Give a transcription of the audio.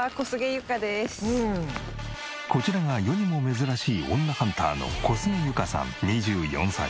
こちらが世にも珍しい女ハンターの小菅結香さん２４歳。